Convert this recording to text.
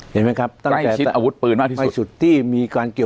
ฒัยนึกถือครับ